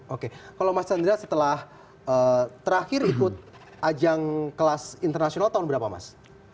oke kalau mas chandra setelah terakhir ikut ajang kelas internasional tahun berapa mas